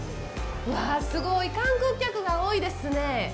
うわあ、すごい観光客が多いですね。